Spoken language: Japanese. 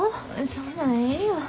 そんなんええよ。